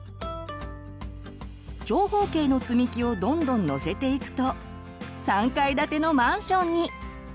長方形のつみきをどんどんのせていくと３階建てのマンションに！